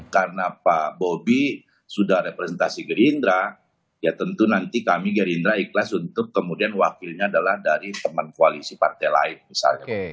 karena pak bobi sudah representasi gerindra ya tentu nanti kami gerindra ikhlas untuk kemudian wakilnya adalah dari teman koalisi partai lain misalnya